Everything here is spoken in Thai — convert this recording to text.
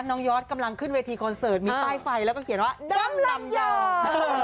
ยอดกำลังขึ้นเวทีคอนเสิร์ตมีป้ายไฟแล้วก็เขียนว่าดำลำยาว